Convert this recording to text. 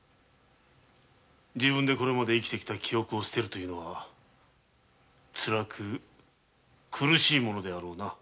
自分が今まで生きてきた記憶を捨てるのはつらく苦しいものであろうな。